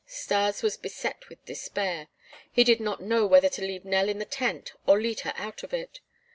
Stas was beset with despair. He did not know whether to leave Nell in the tent or lead her out of it.